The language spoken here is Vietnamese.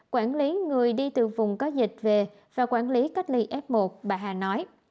quản lý người đi từ vùng có dịch về và quản lý cách ly f một bà hà nói